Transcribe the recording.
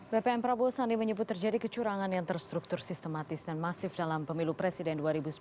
bpm prabowo sandi menyebut terjadi kecurangan yang terstruktur sistematis dan masif dalam pemilu presiden dua ribu sembilan belas